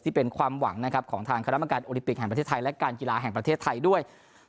ที่เป็นความหวังนะครับของทางคณะกรรมการโอลิปิกแห่งประเทศไทยและการกีฬาแห่งประเทศไทยด้วย